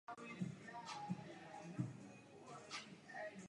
Karel Veliký byl pochován v Cáchách.